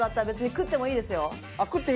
食っていいですよ。